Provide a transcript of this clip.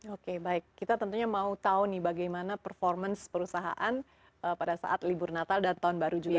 oke baik kita tentunya mau tahu nih bagaimana performance perusahaan pada saat libur natal dan tahun baru juga